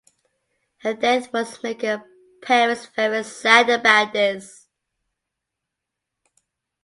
Her death was make her parents very sad about this.